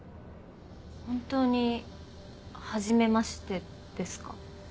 本当に「はじめまして」ですか？